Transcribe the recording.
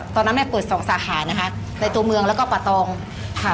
ตอนนั้นแม่เปิดสองสาขานะคะในตัวเมืองแล้วก็ป่าตองค่ะ